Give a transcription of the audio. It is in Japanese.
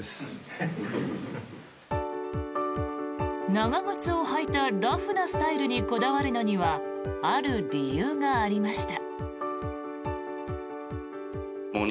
長靴を履いたラフなスタイルにこだわるのにはある理由がありました。